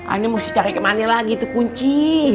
aneh mesti cari kemah nih lagi tuh kunci